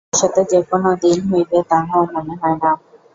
ভবিষ্যতে যে কোনদিন হইবে, তাহাও মনে হয় না।